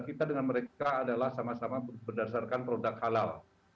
dan kita dengan mereka adalah sama sama berdasarkan produk halal